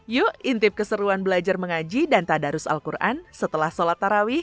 yuk intip keseruan belajar mengaji dan tadarus al quran setelah sholat tarawih